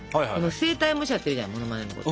声帯模写っていうじゃんモノマネのこと。